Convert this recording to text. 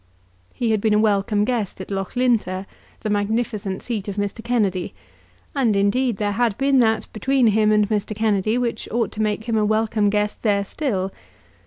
He had been a welcome guest at Loughlinter, the magnificent seat of Mr. Kennedy, and indeed there had been that between him and Mr. Kennedy which ought to make him a welcome guest there still.